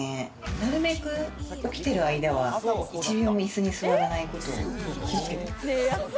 なるべく起きてる間は、１秒もいすに座らないことを気をつけてます。